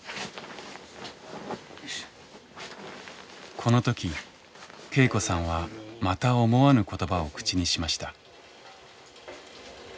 この時恵子さんはまた思わぬ言葉を口にしました。